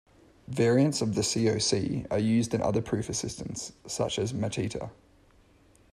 Variants of the CoC are used in other proof assistants, such as Matita.